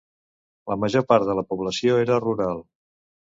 La major part de la població era rural.